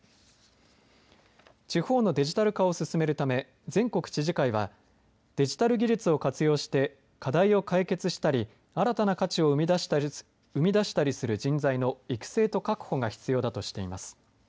地方のデジタル化を進めるため全国知事会はデジタル技術を活用して課題を解決したり新たな価値を生み出したりする人材の育成と確保が必要だとしています。